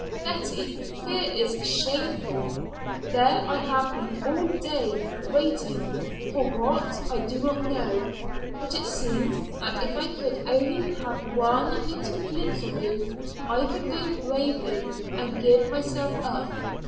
Betty, fear is shameful. There I have been all day waiting for what, I do not know; but it seemed that if I could only have one little glimpse of you I could go bravely and give myself up.